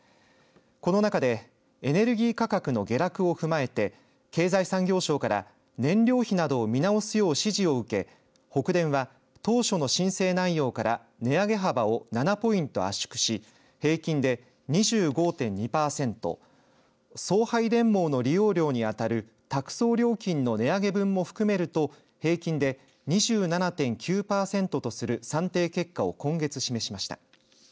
この中でエネルギー価格の下落を踏まえて経済産業省から燃料費などを見直すよう指示を受け北電は当初の申請内容から値上げ幅を７ポイント圧縮し平均で２５．２パーセント送配電網の利用料にあたる託送料金の値上げ分も含めると平均で２７．９パーセントとする算定結果を今月示しました。